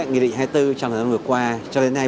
nghị định hai mươi bốn trong thời gian vừa qua cho đến nay